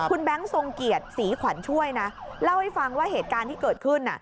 คุณแบงค์ทรงเกียรติศรีขวัญช่วยนะเล่าให้ฟังว่าเหตุการณ์ที่เกิดขึ้น